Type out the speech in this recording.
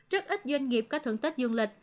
rất ít doanh nghiệp có thưởng tết du lịch